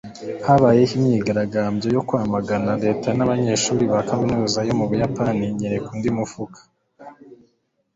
habayeho imyigaragambyo yo kwamagana leta n'abanyeshuri ba kaminuza yo mu buyapani nyereka undi mufuka